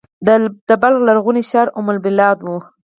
د بلخ لرغونی ښار ام البلاد و